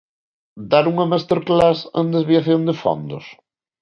¿Dar unha masterclass en desviación de fondos?